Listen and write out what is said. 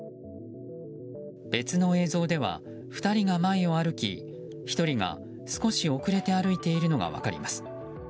別の映像では２人が前を歩き１人が少し遅れて歩いているのが分かります。